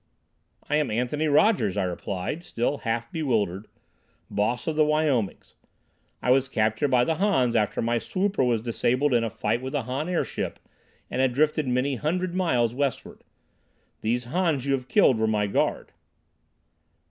"I am Anthony Rogers," I replied, still half bewildered, "Boss of the Wyomings. I was captured by the Hans after my swooper was disabled in a fight with a Han airship and had drifted many hundred miles westward. These Hans you have killed were my guard."